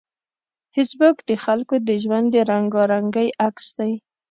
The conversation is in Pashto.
فېسبوک د خلکو د ژوند د رنګارنګۍ عکس دی